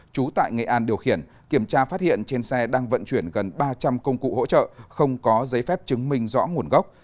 trú tại nghệ an điều khiển kiểm tra phát hiện trên xe đang vận chuyển gần ba trăm linh công cụ hỗ trợ không có giấy phép chứng minh rõ nguồn gốc